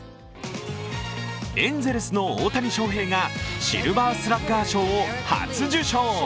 エンゼルスの大谷翔平がシルバースラッガー賞を初受賞。